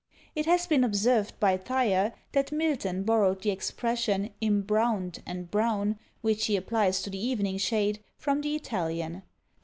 It has been observed by Thyer, that Milton borrowed the expression imbrowned and brown, which he applies to the evening shade, from the Italian.